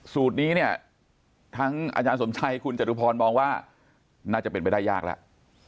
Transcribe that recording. สูตรนี้เนี่ยทั้งอาจารย์สมชัยคุณจตุพรมองว่าน่าจะเป็นไปได้ยากแล้ว